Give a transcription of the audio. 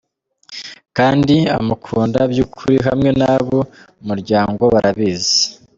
kandi abamukunda vyukuri hamwe n'abo mu muryango barabizi.